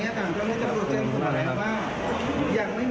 ตำรวจที่มันเข้ามาตรูยังไม่มีฝ่ายกล้องในมือครับ